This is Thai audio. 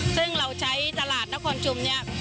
ซึ่งเราใช้ตลาดนครชุมเนี่ย